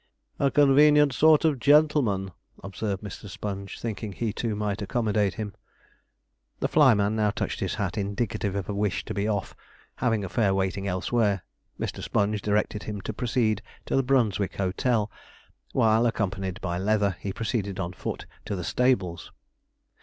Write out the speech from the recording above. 'A convenient sort of gentleman,' observed Mr. Sponge, thinking he, too, might accommodate him. The fly man now touched his hat, indicative of a wish to be off, having a fare waiting elsewhere. Mr. Sponge directed him to proceed to the Brunswick Hotel, while, accompanied by Leather, he proceeded on foot to the stables.